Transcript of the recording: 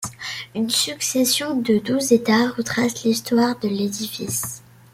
Une succession de douze états retracent l'histoire de l'édifice.